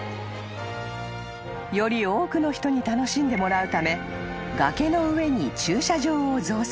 ［より多くの人に楽しんでもらうため崖の上に］